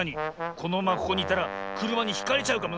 このままここにいたらくるまにひかれちゃうかもな。